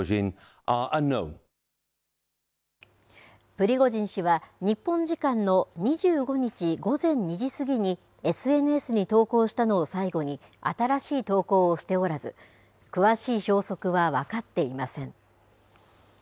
プリゴジン氏は、日本時間の２５日午前２時過ぎにＳＮＳに投稿したのを最後に、新しい投稿をしておらず、詳しい消息は分かっていません。